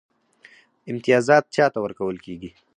امتیازات چا ته ورکول کیږي؟